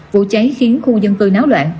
vụ cháy khiến khu dân tư náo loạn